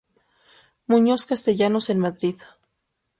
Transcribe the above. Muñoz Castellanos en Madrid.